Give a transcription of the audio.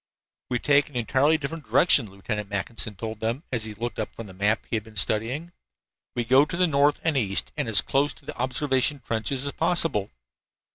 "We take an entirely different direction," Lieutenant Mackinson told them, as he looked up from the map he had been studying. "We go to the north and east and as close to the observation trenches as possible."